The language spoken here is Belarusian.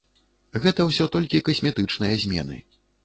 Гэта ўсё толькі касметычныя змены.